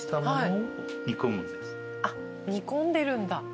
あっ煮込んでるんだ。